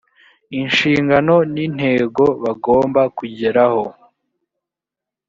inshingano n intego bagomba kugeraho